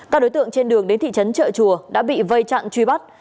các đối tượng trên đường đến thị trấn trợ chùa đã bị vây chặn truy bắt